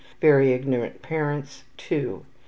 2 Very ignorant parents .....